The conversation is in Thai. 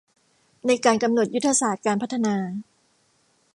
ในการกำหนดยุทธศาสตร์การพัฒนา